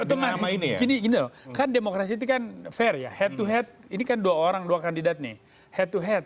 betul mas gini gini loh kan demokrasi itu kan fair ya head to head ini kan dua orang dua kandidat nih head to head